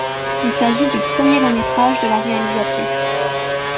Il s'agit du premier long-métrage de la réalisatrice.